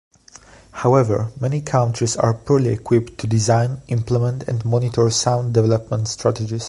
However, many countries are poorly equipped to design, implement and monitor sound development strategies.